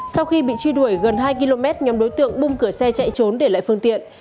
sau khi bị truy đuổi gần hai km nhóm đối tượng bung cửa xe chạy trốn để lại phương tiện